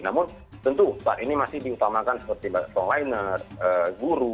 namun tentu saat ini masih diutamakan seperti online guru